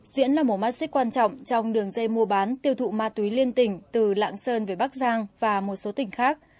diễn là một mắt xích quan trọng trong đường dây mua bán tiêu thụ ma túy liên tỉnh từ lạng sơn về bắc giang và một số tỉnh khác